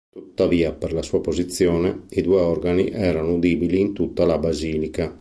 Tuttavia, per la sua posizione, i due organi erano udibili in tutta la basilica.